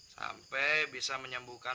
sampai bisa menyembuhkan